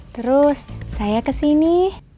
terus saya kesini